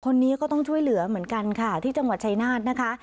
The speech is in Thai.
คนนี้ก็ต้องช่วยเหลือเหมือนกันค่ะที่จังหวัดชายนาฏนะคะ